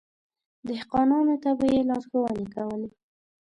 دهقانانو ته به يې لارښونې کولې.